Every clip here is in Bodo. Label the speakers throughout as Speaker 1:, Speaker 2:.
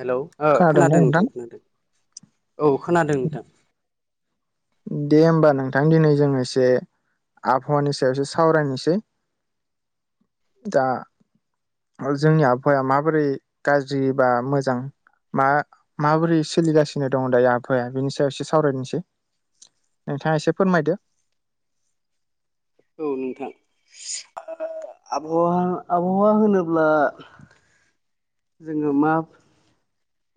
Speaker 1: हेल' खोनादों नोंथां खोनादों औ खोनादों नोंथां।
Speaker 2: दे होमबा नोंथां। दिनै जों एसे आबहावानि सायावसो सावरायनोसै। दा जोंनि आबहावाया माबोरै गाज्रि बा मोजां मा माबोरै सोलिगासिनो दं दायो आबहावाया बेनि सायाव एसे सावरायनोसै। नोंथाङा एसे फोरमायदो।
Speaker 1: औ नोंथां। आबहावा आबहावा आबहावा होनोब्ला जोङो मा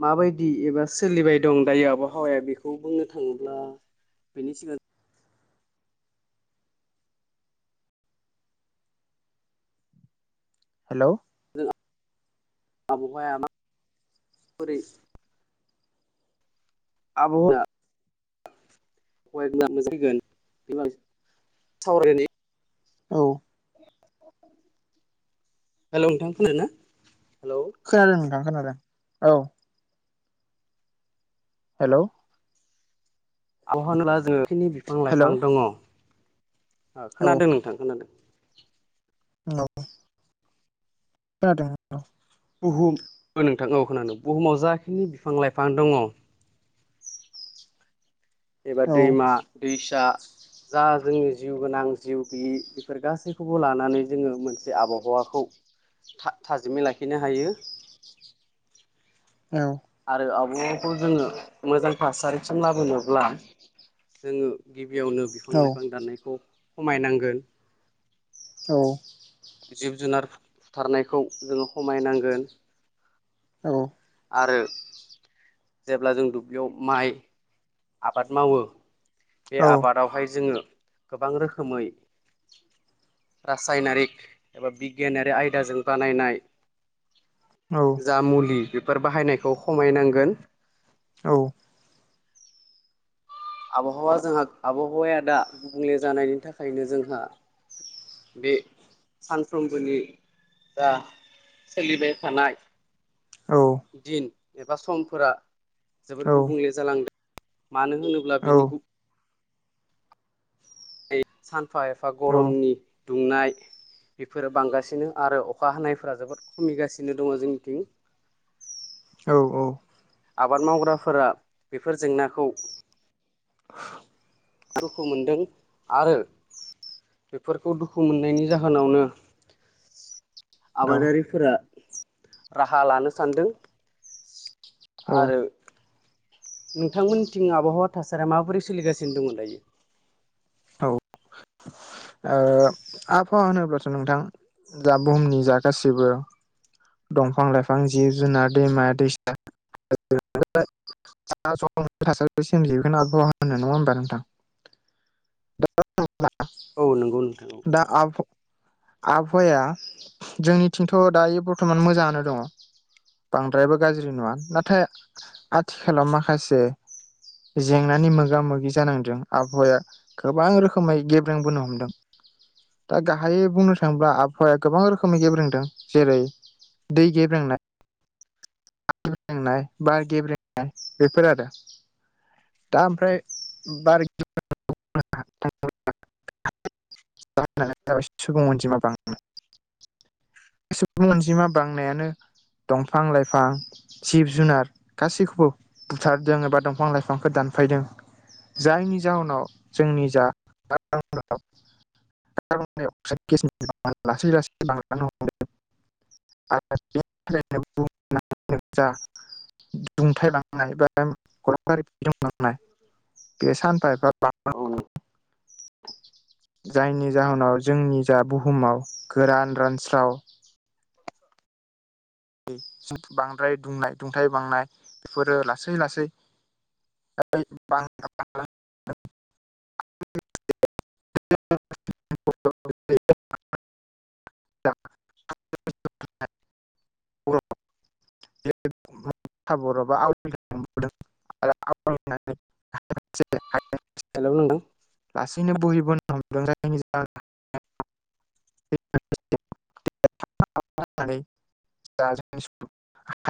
Speaker 1: मा बायदि एबा सोलिबाय दं दायो आबहावाया बेखौ बुंनो थाङोब्ला बेनि सिगां
Speaker 2: हेल'।
Speaker 1: जों आबहावाया माबोरै आबहावाया [unintelligible] सावरायनि
Speaker 2: औ
Speaker 1: हेल' नोंथां खोनादोंना हेल'।
Speaker 2: खोनादों नोंथां खोनादों औ। हेल'।
Speaker 1: आबहावा होनोब्ला जोङो जेखिनि बिफां
Speaker 2: हेलौ
Speaker 1: लाइफां दङ
Speaker 2: औ
Speaker 1: खोनादों नोंथां खोनादों।
Speaker 2: [unintelligible] खोनादों।
Speaker 1: बुहुम खोनादों नोंथां खोनादों बुहुमाव जाखिनि बिफां-लाइफां दङ। एबा
Speaker 2: औ
Speaker 1: दैमा-दैसा जा जोंनि जिउ गोनां जिउ गैयि बेफोर गासैखौबो लानानै जोङो मोनसे आबहावाखौ थाजिमै लाखिनो हायो।
Speaker 2: औ।
Speaker 1: आरो आबहावाखौ जोङो मोजां थासारिसिम लाबोनोब्ला जोङो गिबियावनो बिफां
Speaker 2: औ
Speaker 1: लाइफां दाननायखौ खमायनांगोन।
Speaker 2: औ
Speaker 1: जिब जुनार फुथारनायखौ जोङो खमायनांगोन।
Speaker 2: औ
Speaker 1: आरो जेब्ला जों दुब्लियाव माइ आबाद मावो बे
Speaker 2: औ
Speaker 1: आबादावहाय जोङो गोबां रोखोमै रासायनारिक एबा बिगियानारि आयदाजों बानायनाय
Speaker 2: औ
Speaker 1: जा मुलि बेफोर बाहायनायखौ खमायनांगोन।
Speaker 2: औ
Speaker 1: आबहावा जोंहा आबहावाया दा गुबुंले जानायनि थाखायनो जोंहा बे सानफ्रोमबोनि जा सोलिबाय थानाय
Speaker 2: औ
Speaker 1: दिन एबा समफोरा जोबोद
Speaker 2: औ
Speaker 1: गुबुंले जालांदों मानो होनोब्ला
Speaker 2: औ
Speaker 1: बिनि गु [inaudible] सानफा एफा गरमनि दुंनाय बेफोरो बांगासिनो आरो अखा हानायफोरा जोबोद खमिगासिनो दङ जोंनिथिं।
Speaker 2: औ औ
Speaker 1: आबाद मावग्राफोरा बेफोर जेंनाखौ दुखु मोनदों आरो बेफोरखौ दुखु मोननायनि जाहोनावनो
Speaker 2: औ
Speaker 1: आबादारिफोरा राहा लानो सानदों।
Speaker 2: औ
Speaker 1: आरो नोंथांमोननिथिं आबहावा थासारिया माबोरै सोलिगासिनो दङ दायो?
Speaker 2: औ ओ आबहावा होनोब्लाथ' नोंथां जा बुहुमनि जा गासिबो दंफां लाइफां जिब जुनार दैमा दैसा [inaudible] [inaudible] नङा होमबा नोंथां?
Speaker 1: औ नंगौ नोंथां
Speaker 2: [inaudible] दा आब आबहावाया जोंनिथिंथ' दायो बर्थमान मोजाङानो दङ। बांद्रायबो गाज्रि नङा नाथाय आथिखालाव माखासे जेंनानि मोगा मोगि जानांदों आबहावाया गोबां रोखोमै गेब्रेंबोनो हमदों। दा गाहायै बुंनो थाङोब्ला आबहावाया गोबां रोखोमै गेब्रेंदों जेरै दै गेब्रेंनाय [inaudible] बार गेब्रेंनाय बेफोर आरो। दा ओमफ्राय [inaudible] [inaudible] सुबुं अनजिमा बां सुबुं अनजिमा बांनायानो दंफां लाइफां जिब जुनार गासैखौबो बुथारदों एबा दंफां लाइफांखौ दानफायदों। जायनि जाहोनाव जोंनि जा [inaudible] [inaudible] [inaudible] जा दुंथाइ बांनाय बा [inaudible] बे सानफा एफा
Speaker 1: औ
Speaker 2: [inaudible] जायनि जाहोनाव जोंनि जा बुहुमाव गोरान रान स्राव [inaudible] बांद्राय दुंनाय दुंथाइ बांनाय बेफोरो लासै लासै [inaudible] [inaudible] [unintelligible] उर [unintelligible] बर आवदों आरो आवनानै जेरैहाय
Speaker 1: हेलौ नोंथां
Speaker 2: लासैनो बोहिबोन हमदों [unintelligible] [unintelligible]